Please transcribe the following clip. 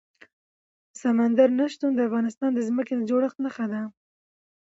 سمندر نه شتون د افغانستان د ځمکې د جوړښت نښه ده.